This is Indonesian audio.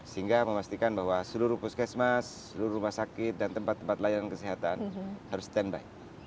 sehingga memastikan bahwa seluruh puskesmas seluruh rumah sakit dan tempat tempat layanan kesehatan harus standby